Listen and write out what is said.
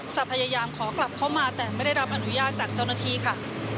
จะพยายามขอกลับเข้ามาแต่ไม่ได้รับอนุญาตจากเจ้าหน้าที่ค่ะ